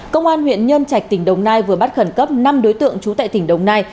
công an huyện nhân trạch tỉnh đồng nai vừa bắt khẩn cấp năm đối tượng trú tại tỉnh đồng nai